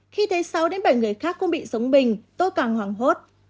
khi thấy sáu bảy người khác cũng bị giống mình tôi càng hoảng hốt